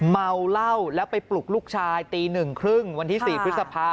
เมาเหล้าแล้วไปปลุกลูกชายตี๑๓๐วันที่๔พฤษภา